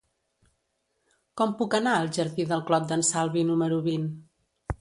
Com puc anar al jardí del Clot d'en Salvi número vint?